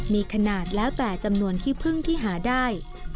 มีขนาดแล้วแต่จำนวนขี้พึ่งที่หาได้